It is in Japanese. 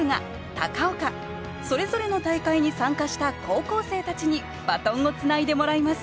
高岡それぞれの大会に参加した高校生たちにバトンをつないでもらいます。